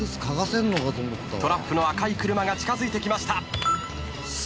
トラップの赤い車が近づいてきました。